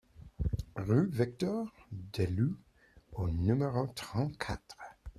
Rue Victor Delloue au numéro trente-quatre